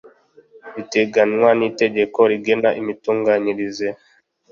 biteganywa n itegeko rigena imitunganyirize